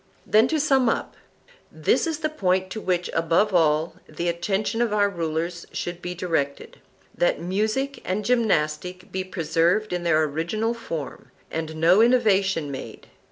Then to sum up: This is the point to which, above all, the attention of our rulers should be directed,—that music and gymnastic be preserved in their original form, and no innovation made.